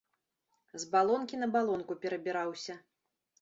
З балонкі на балонку перабіраўся.